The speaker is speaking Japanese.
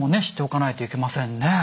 知っておかないといけませんね。